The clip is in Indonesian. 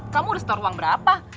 kamu udah store uang berapa